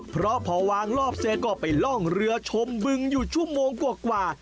เพราะพอวางรอบเสร็จก็ไปล่องเรือชมบึงอยู่ชั่วโมงกว่า